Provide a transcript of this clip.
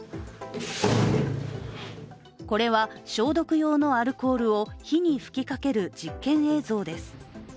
これは消毒用のアルコールを火に吹きかける実験映像です。